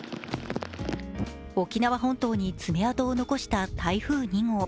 沖縄本島に爪痕を残した台風２号。